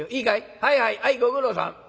はいはいはいご苦労さん。